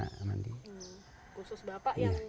khusus bapak yang mondang ke sana